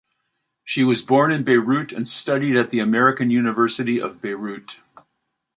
She was born in Beirut and studied at the American University of Beirut.